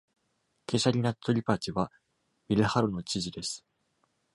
Keshari Nath Tripathi は Bilhar の知事です。